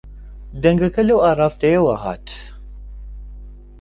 دەنگەکە لەو ئاراستەیەوە هات.